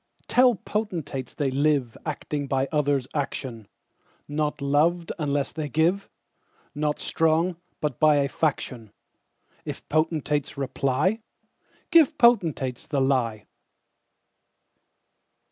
Tell potentates, they liveActing by others' action; Not loved unless they give, Not strong, but by a faction:If potentates reply, Give potentates the lie.